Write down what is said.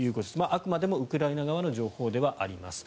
あくまでもウクライナ側の情報ではあります。